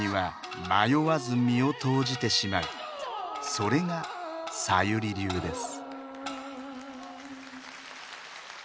それがさゆり流です。